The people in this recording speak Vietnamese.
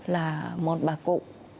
là một bà cụ